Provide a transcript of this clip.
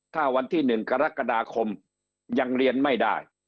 ถ้าวันที่๑กรกฎาคมยังเรียนไม่ได้